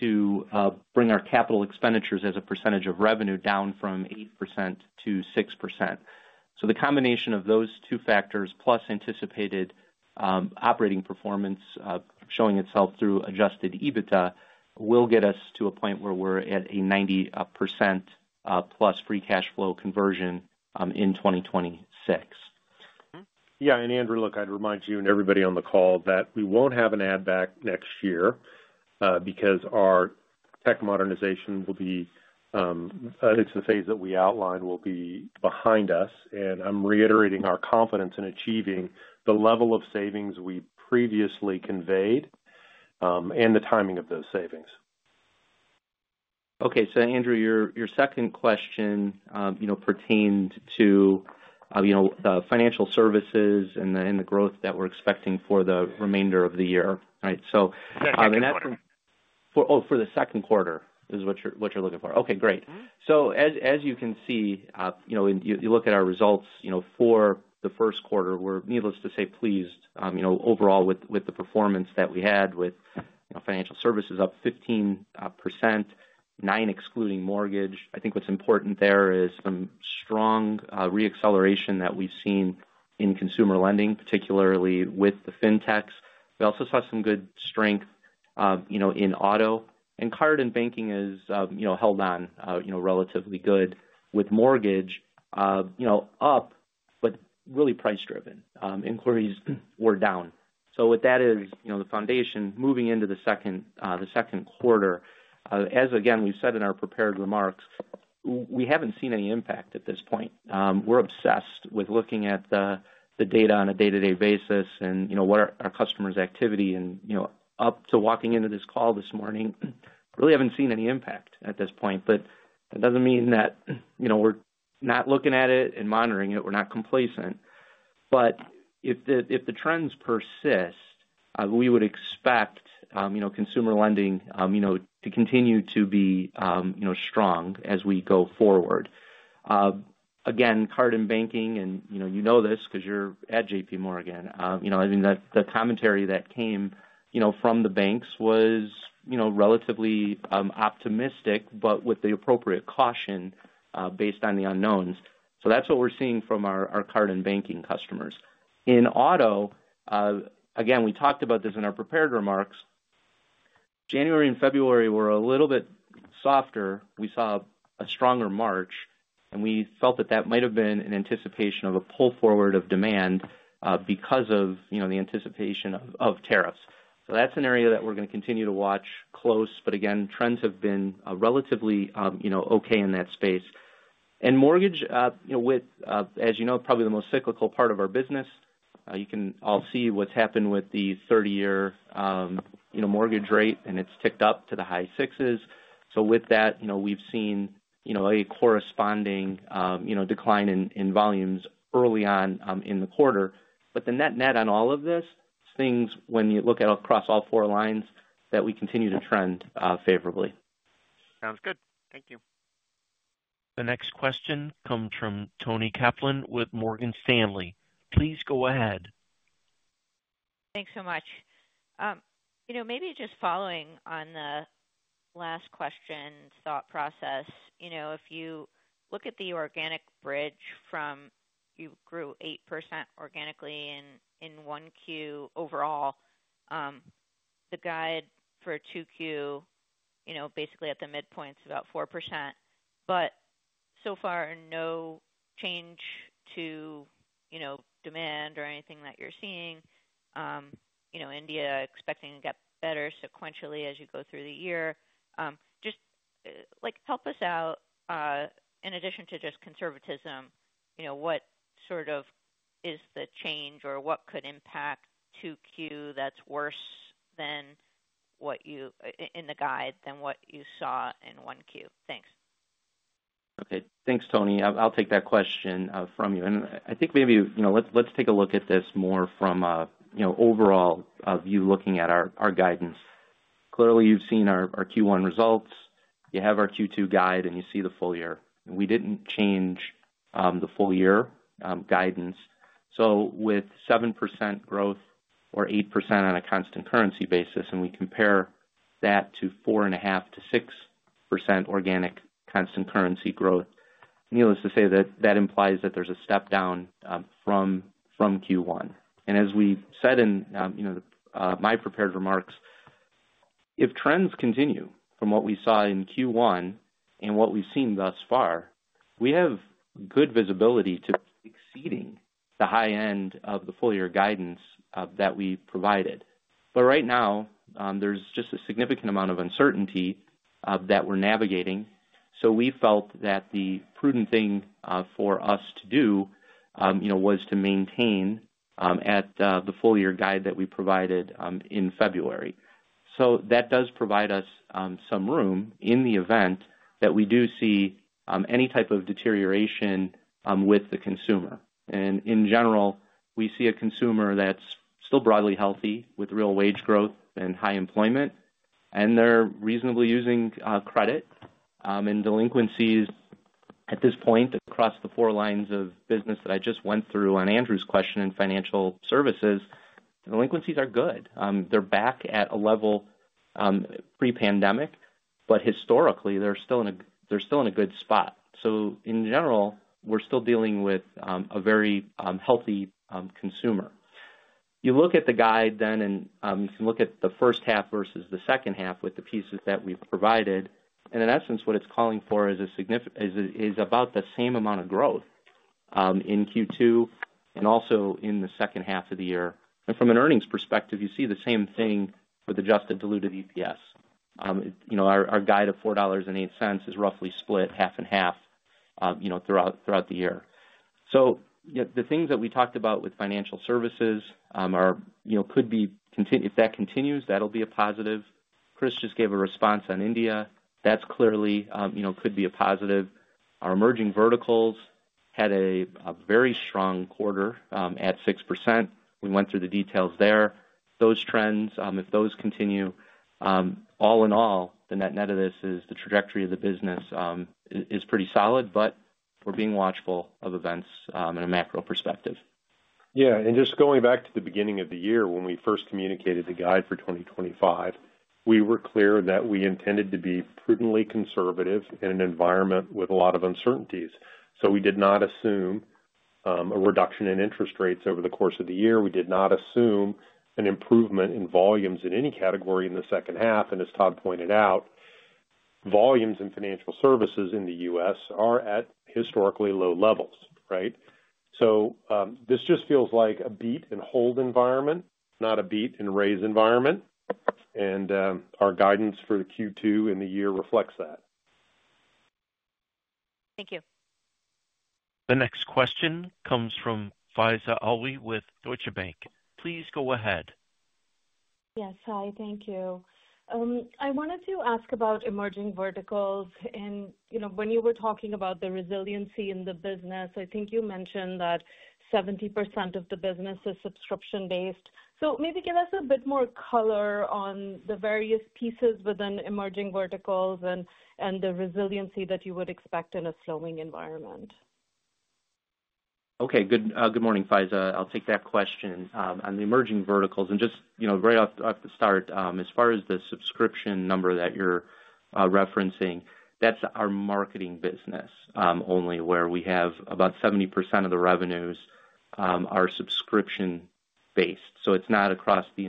to bring our capital expenditures as a percentage of revenue down from 8% to 6%. The combination of those two factors, plus anticipated operating performance showing itself through adjusted EBITDA, will get us to a point where we're at a 90% plus free cash flow conversion in 2026. Yeah. Andrew, I'd remind you and everybody on the call that we won't have an add-back next year because our tech modernization, the phase that we outlined, will be behind us. I'm reiterating our confidence in achieving the level of savings we previously conveyed and the timing of those savings. Okay. Andrew, your second question pertained to the Financial Services and the growth that we're expecting for the remainder of the year, right? For the second quarter is what you're looking for. Okay. Great. As you can see, you look at our results for the first quarter, we're needless to say pleased overall with the performance that we had with Financial Services up 15%, 9% excluding mortgage. I think what's important there is some strong reacceleration that we've seen in consumer lending, particularly with the fintechs. We also saw some good strength in auto. Card and banking has held on relatively good, with mortgage up but really price-driven. Inquiries were down. What that is, the foundation moving into the second quarter, as again, we've said in our prepared remarks, we haven't seen any impact at this point. We're obsessed with looking at the data on a day-to-day basis and what are our customers' activity. Up to walking into this call this morning, really haven't seen any impact at this point. That doesn't mean that we're not looking at it and monitoring it. We're not complacent. If the trends persist, we would expect consumer lending to continue to be strong as we go forward. Again, Card and Banking, and you know this because you're at J.P. Morgan. I mean, the commentary that came from the banks was relatively optimistic, but with the appropriate caution based on the unknowns. That's what we're seeing from our Card and Banking customers. In auto, again, we talked about this in our prepared remarks. January and February were a little bit softer. We saw a stronger March, and we felt that that might have been an anticipation of a pull forward of demand because of the anticipation of tariffs. That is an area that we are going to continue to watch close. Again, trends have been relatively okay in that space. Mortgage, as you know, is probably the most cyclical part of our business. You can all see what has happened with the 30-year mortgage rate, and it has ticked up to the high sixes. With that, we have seen a corresponding decline in volumes early on in the quarter. The net-net on all of this, when you look across all four lines, is that we continue to trend favorably. Sounds good. Thank you. The next question comes from Toni Kaplan with Morgan Stanley. Please go ahead. Thanks so much. Maybe just following on the last question, thought process, if you look at the organic bridge from you grew 8% organically in one Q overall, the guide for two Q, basically at the midpoint, is about 4%. But so far, no change to demand or anything that you're seeing. India expecting to get better sequentially as you go through the year. Just help us out. In addition to just conservatism, what sort of is the change or what could impact two Q that's worse than what you in the guide than what you saw in one Q? Thanks. Okay. Thanks, Tony. I'll take that question from you. I think maybe let's take a look at this more from an overall view looking at our guidance. Clearly, you've seen our Q1 results. You have our Q2 guide, and you see the full year. We didn't change the full year guidance. With 7% growth or 8% on a constant currency basis, and we compare that to 4.5-6% organic constant currency growth, needless to say, that implies that there's a step down from Q1. As we said in my prepared remarks, if trends continue from what we saw in Q1 and what we've seen thus far, we have good visibility to exceeding the high end of the full year guidance that we provided. Right now, there's just a significant amount of uncertainty that we're navigating. We felt that the prudent thing for us to do was to maintain at the full year guide that we provided in February. That does provide us some room in the event that we do see any type of deterioration with the consumer. In general, we see a consumer that's still broadly healthy with real wage growth and high employment, and they're reasonably using credit. Delinquencies at this point across the four lines of business that I just went through on Andrew's question in Financial Services, delinquencies are good. They're back at a level pre-pandemic, but historically, they're still in a good spot. In general, we're still dealing with a very healthy consumer. You look at the guide then, and you can look at the first half versus the second half with the pieces that we've provided. In essence, what it's calling for is about the same amount of growth in Q2 and also in the second half of the year. From an earnings perspective, you see the same thing with adjusted diluted EPS. Our guide of $4.08 is roughly split half and half throughout the year. The things that we talked about with Financial Services could be if that continues, that'll be a positive. Chris just gave a response on India. That clearly could be a positive. Emerging Verticals had a very strong quarter at 6%. We went through the details there. Those trends, if those continue, all in all, the net-net of this is the trajectory of the business is pretty solid, but we're being watchful of events in a macro perspective. Yeah. Just going back to the beginning of the year when we first communicated the guide for 2025, we were clear that we intended to be prudently conservative in an environment with a lot of uncertainties. We did not assume a reduction in interest rates over the course of the year. We did not assume an improvement in volumes in any category in the second half. As Todd pointed out, volumes in Financial Services in the U.S. are at historically low levels, right? This just feels like a beat and hold environment, not a beat and raise environment. Our guidance for Q2 in the year reflects that. Thank you. The next question comes from Faiza Alwy with Deutsche Bank. Please go ahead. Yes. Hi. Thank you. I wanted to ask Emerging Verticals. when you were talking about the resiliency in the business, I think you mentioned that 70% of the business is subscription-based. Maybe give us a bit more color on the various pieces Emerging Verticals and the resiliency that you would expect in a slowing environment. Good morning, Faiza. I'll take that question on the Emerging Verticals. Just right off the start, as far as the subscription number that you're referencing, that's our marketing business only, where we have about 70% of the revenues are subscription-based. It's not across the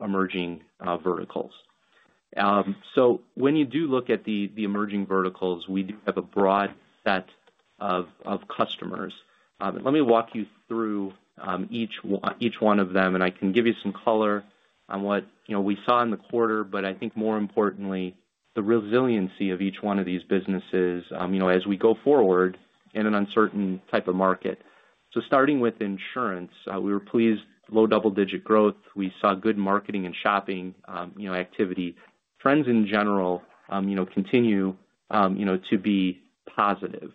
Emerging Verticals. when you do look at Emerging Verticals, we do have a broad set of customers. Let me walk you through each one of them, and I can give you some color on what we saw in the quarter. I think more importantly, the resiliency of each one of these businesses as we go forward in an uncertain type of market. Starting with insurance, we were pleased. Low double-digit growth. We saw good marketing and shopping activity. Trends in general continue to be positive.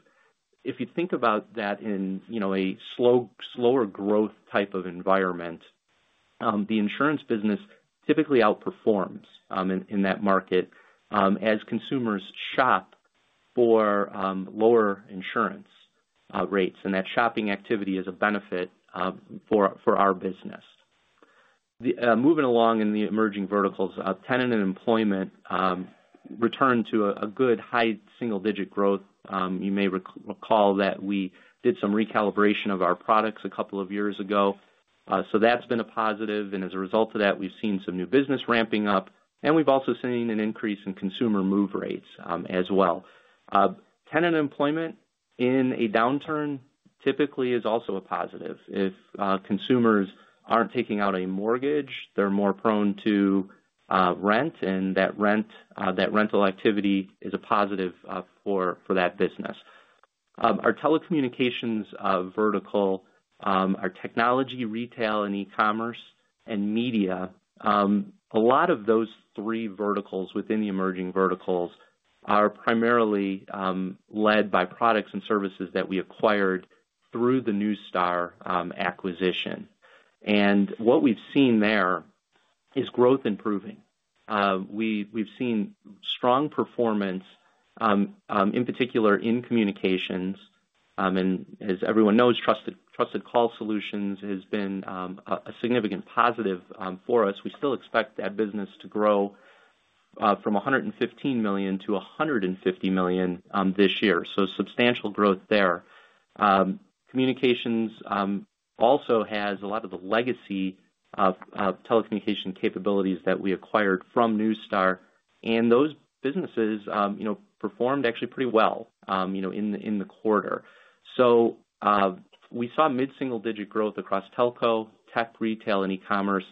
If you think about that in a slower growth type of environment, the insurance business typically outperforms in that market as consumers shop for lower insurance rates. That shopping activity is a benefit for our business. Moving along in Emerging Verticals, tenant and employment returned to a good high single-digit growth. You may recall that we did some recalibration of our products a couple of years ago. That has been a positive. As a result of that, we've seen some new business ramping up. We've also seen an increase in consumer move rates as well. Tenant employment in a downturn typically is also a positive. If consumers aren't taking out a mortgage, they're more prone to rent. That rental activity is a positive for that business. Our telecommunications vertical, our Technology, Retail, and E-commerce, and Media, a lot of those three verticals within Emerging Verticals are primarily led by products and services that we acquired through the Neustar acquisition. What we've seen there is growth improving. We've seen strong performance, in particular in communications. As everyone knows, Trusted Call Solutions has been a significant positive for us. We still expect that business to grow from $115 million to $150 million this year. Substantial growth there. Communications also has a lot of the legacy telecommunication capabilities that we acquired from Neustar. Those businesses performed actually pretty well in the quarter. We saw mid-single-digit growth across Telco, T, Retail, and E-commerce.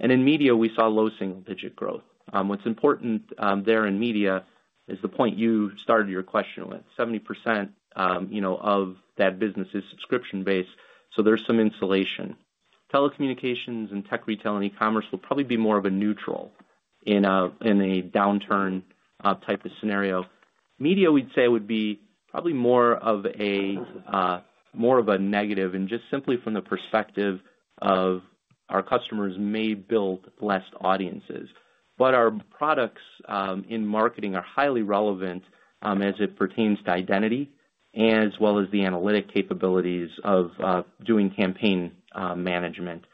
In media, we saw low single-digit growth. What's important there in media is the point you started your question with. 70% of that business is subscription-based. There's some insulation. Telecommunications and tech retail and e-commerce will probably be more of a neutral in a downturn type of scenario. Media, we'd say, would be probably more of a negative and just simply from the perspective of our customers may build less audiences. Our products in marketing are highly relevant as it pertains to identity as well as the analytic capabilities of doing campaign management.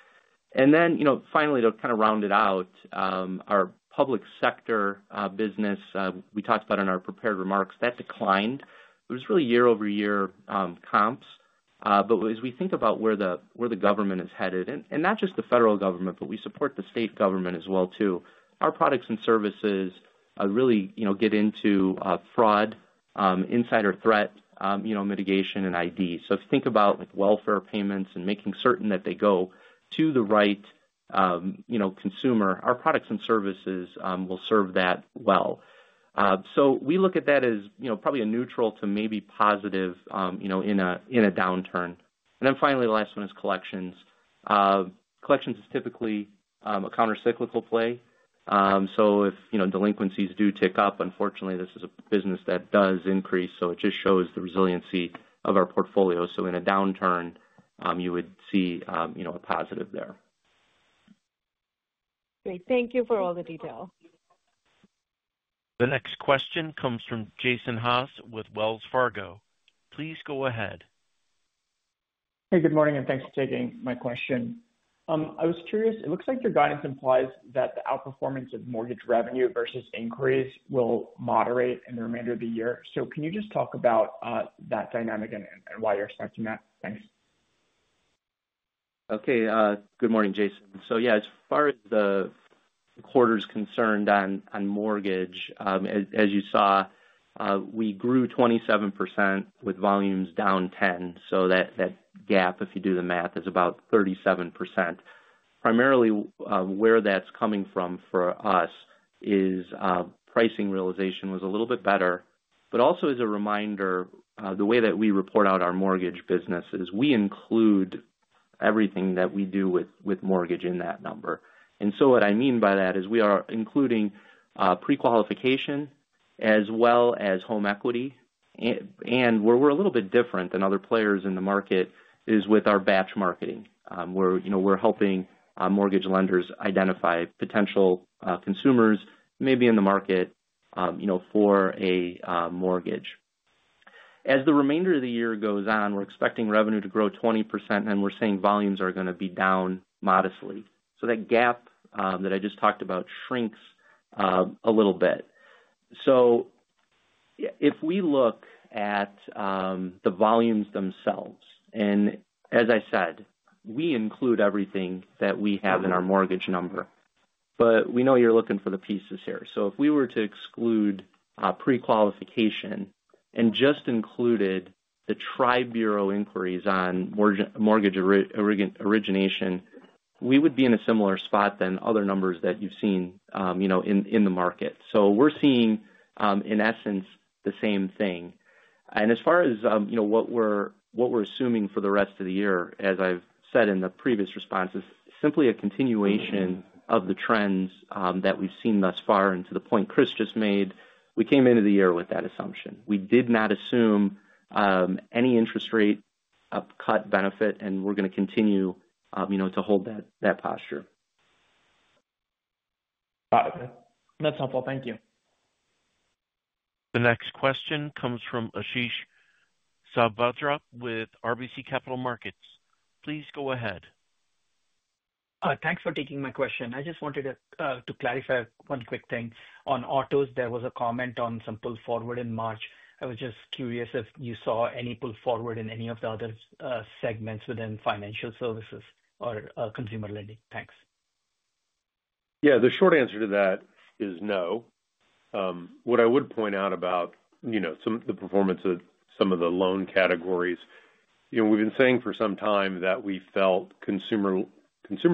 Finally, to kind of round it out, our public sector business we talked about in our prepared remarks, that declined. It was really year-over-year comps. As we think about where the government is headed, and not just the federal government, but we support the state government as well too, our products and services really get into fraud, insider threat mitigation, and ID. If you think about welfare payments and making certain that they go to the right consumer, our products and services will serve that well. We look at that as probably a neutral to maybe positive in a downturn. Finally, the last one is Collections. Collections is typically a countercyclical play. If delinquencies do tick up, unfortunately, this is a business that does increase. It just shows the resiliency of our portfolio. In a downturn, you would see a positive there. Great. Thank you for all the detail. The next question comes from Jason Haas with Wells Fargo. Please go ahead. Hey, good morning, and thanks for taking my question. I was curious. It looks like your guidance implies that the outperformance of mortgage revenue versus inquiries will moderate in the remainder of the year. Can you just talk about that dynamic and why you're expecting that? Thanks. Okay. Good morning, Jason. As far as the quarter is concerned on mortgage, as you saw, we grew 27% with volumes down 10%. That gap, if you do the math, is about 37%. Primarily, where that's coming from for us is pricing realization was a little bit better. Also, as a reminder, the way that we report out our mortgage business is we include everything that we do with mortgage in that number. What I mean by that is we are including pre-qualification as well as home equity. Where we're a little bit different than other players in the market is with our batch marketing, where we're helping mortgage lenders identify potential consumers maybe in the market for a mortgage. As the remainder of the year goes on, we're expecting revenue to grow 20%, and we're seeing volumes are going to be down modestly. That gap that I just talked about shrinks a little bit. If we look at the volumes themselves, and as I said, we include everything that we have in our mortgage number. We know you're looking for the pieces here. If we were to exclude pre-qualification and just included the tri-bureau inquiries on mortgage origination, we would be in a similar spot than other numbers that you've seen in the market. We're seeing, in essence, the same thing. As far as what we're assuming for the rest of the year, as I've said in the previous response, is simply a continuation of the trends that we've seen thus far. To the point Chris just made, we came into the year with that assumption. We did not assume any interest rate cut benefit, and we're going to continue to hold that posture. Got it. That's helpful. Thank you. The next question comes from Ashish Sabadra with RBC Capital Markets. Please go ahead. Thanks for taking my question. I just wanted to clarify one quick thing. On autos, there was a comment on some pull forward in March. I was just curious if you saw any pull forward in any of the other segments within Financial Services or consumer lending. Thanks. Yeah. The short answer to that is no. What I would point out about the performance of some of the loan categories, we've been saying for some time that we felt consumer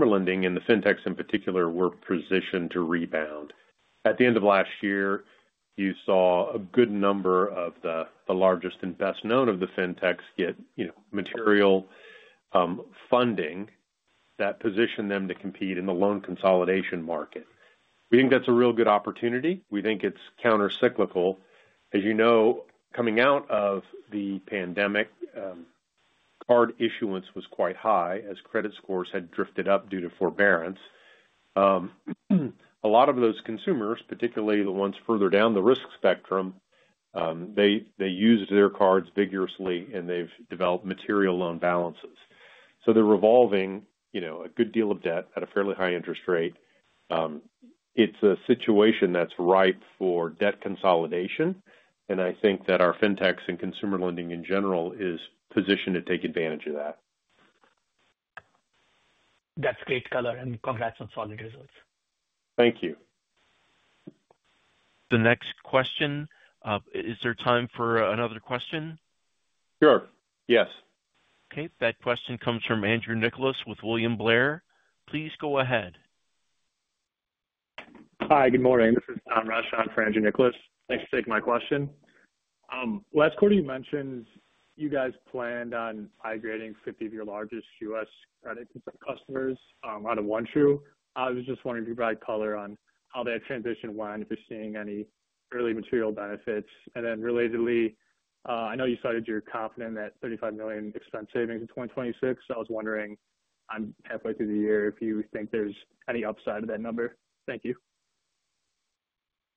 lending and the fintechs in particular were positioned to rebound. At the end of last year, you saw a good number of the largest and best-known of the fintechs get material funding that positioned them to compete in the loan consolidation market. We think that's a real good opportunity. We think it's countercyclical. As you know, coming out of the pandemic, card issuance was quite high as credit scores had drifted up due to forbearance. A lot of those consumers, particularly the ones further down the risk spectrum, they used their cards vigorously, and they've developed material loan balances. They are revolving a good deal of debt at a fairly high interest rate. It's a situation that's ripe for debt consolidation. I think that our fintechs and consumer lending in general is positioned to take advantage of that. That's great color. And congrats on solid results. Thank you. The next question. Is there time for another question? Sure. Yes. Okay. That question comes from Andrew Nicholas with William Blair. Please go ahead. Hi. Good morning. This is Tom Rashawn for Andrew Nicholas. Thanks for taking my question. Last quarter, you mentioned you guys planned on migrating 50 of your largest U.S. credit customers out of OneTru. I was just wondering if you could provide color on how that transition went, if you're seeing any early material benefits. Relatedly, I know you cited your confidence in that $35 million expense savings in 2026. I was wondering halfway through the year if you think there's any upside of that number. Thank you.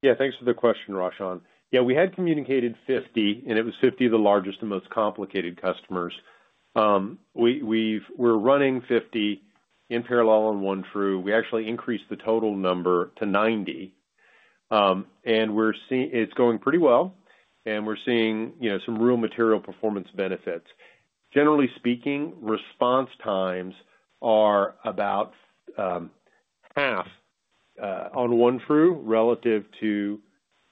Yeah. Thanks for the question, Rashawn. Yeah. We had communicated 50, and it was 50 of the largest and most complicated customers. We're running 50 in parallel on OneTru. We actually increased the total number to 90. And it's going pretty well. We're seeing some real material performance benefits. Generally speaking, response times are about half on OneTru relative to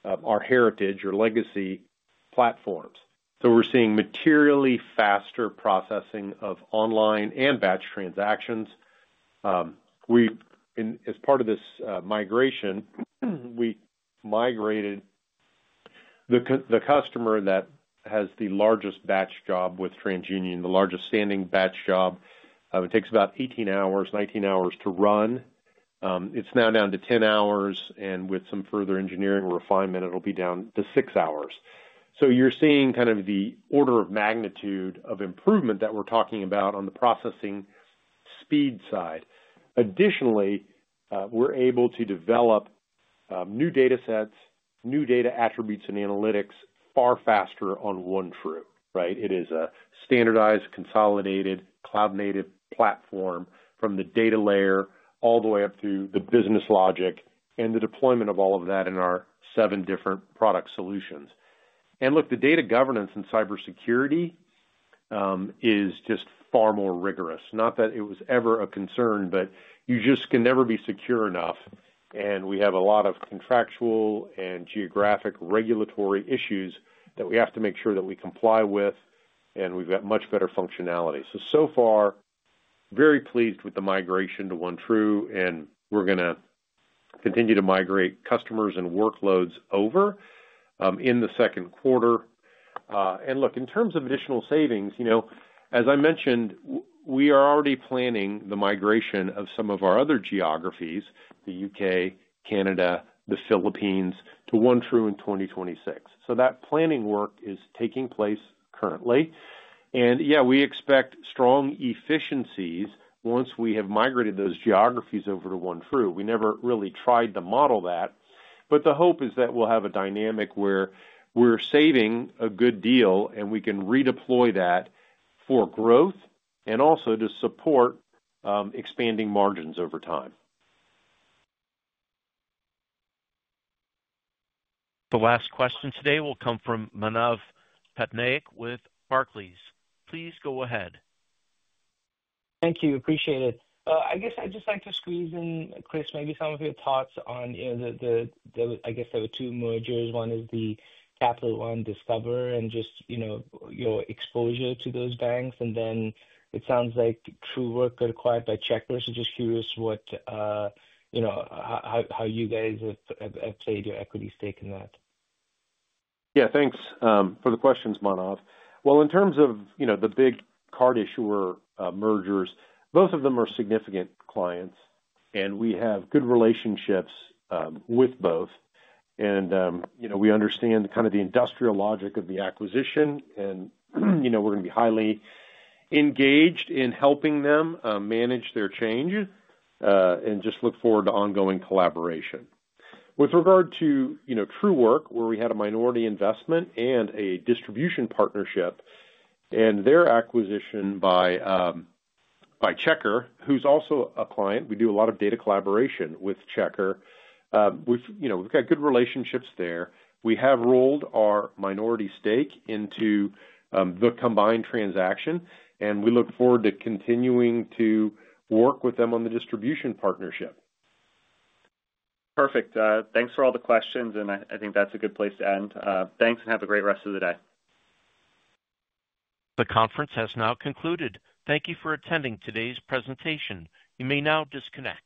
our heritage or legacy platforms. We're seeing materially faster processing of online and batch transactions. As part of this migration, we migrated the customer that has the largest batch job with TransUnion, the largest standing batch job. It takes about 18 hours, 19 hours to run. It's now down to 10 hours. With some further engineering or refinement, it'll be down to 6 hours. You're seeing kind of the order of magnitude of improvement that we're talking about on the processing speed side. Additionally, we're able to develop new data sets, new data attributes, and analytics far faster on OneTru, right? It is a standardized, consolidated, cloud-native platform from the data layer all the way up through the business logic and the deployment of all of that in our seven different product solutions. Look, the data governance and cybersecurity is just far more rigorous. Not that it was ever a concern, but you just can never be secure enough. We have a lot of contractual and geographic regulatory issues that we have to make sure that we comply with. We have much better functionality. So far, very pleased with the migration to OneTru. We are going to continue to migrate customers and workloads over in the second quarter. Look, in terms of additional savings, as I mentioned, we are already planning the migration of some of our other geographies, the U.K., Canada, the Philippines, to OneTru in 2026. That planning work is taking place currently. Yeah, we expect strong efficiencies once we have migrated those geographies over to OneTru. We never really tried to model that. The hope is that we'll have a dynamic where we're saving a good deal, and we can redeploy that for growth and also to support expanding margins over time. The last question today will come from Manav Patnaik with Barclays. Please go ahead. Thank you. Appreciate it. I guess I'd just like to squeeze in, Chris, maybe some of your thoughts on the I guess there were two mergers. One is the Capital One Discover and just your exposure to those banks. It sounds like Truework got acquired by Checker. I'm just curious how you guys have played your equity stake in that. Yeah. Thanks for the questions, Manav. In terms of the big card issuer mergers, both of them are significant clients. We have good relationships with both. We understand kind of the industrial logic of the acquisition. We are going to be highly engaged in helping them manage their change and just look forward to ongoing collaboration. With regard to Truework, where we had a minority investment and a distribution partnership and their acquisition by Checker, who is also a client, we do a lot of data collaboration with Checker. We have good relationships there. We have rolled our minority stake into the combined transaction. We look forward to continuing to work with them on the distribution partnership. Perfect. Thanks for all the questions. I think that is a good place to end. Thanks, and have a great rest of the day. The conference has now concluded. Thank you for attending today's presentation. You may now disconnect.